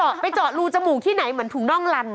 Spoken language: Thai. ไปเจาะรูจมูกที่ไหนเหมือนถุงน่องลัน